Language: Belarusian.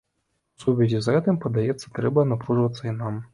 У сувязі з гэтым, падаецца, трэба напружыцца і нам.